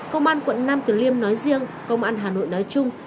công an quận nam từ liêm nói riêng công an hà nội nói chung